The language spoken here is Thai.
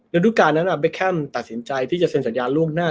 ฤดูการนั้นเบคแคมตัดสินใจที่จะเซ็นสัญญาล่วงหน้า